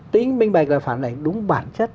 tính mình bạch là phản ảnh đúng bản chất